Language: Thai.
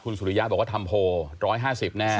สุริยะบอกว่าทำโพล๑๕๐แน่